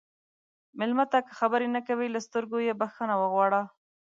مېلمه ته که خبرې نه کوي، له سترګو یې بخښنه وغواړه.